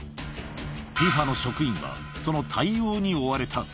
ＦＩＦＡの職員は、その対応に追われた。